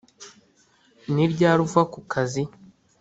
ni ryari uva ku kazi?